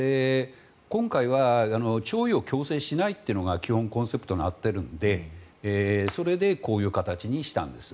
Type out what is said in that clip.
今回は弔意を強制しないっていうのが基本コンセプトになっているのでそれでこういう形にしたんです。